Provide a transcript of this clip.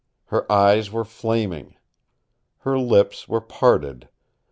Her eyes were flaming. Her lips were parted.